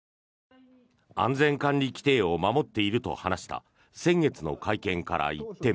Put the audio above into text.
安全管理規程を守っていると話した先月の会見から一転